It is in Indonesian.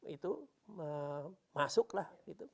itu masuk lah